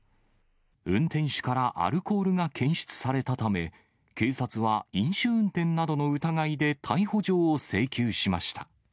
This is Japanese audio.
運転手からアルコールが検出されたため、警察は飲酒運転などの疑いで逮捕状を請求しました。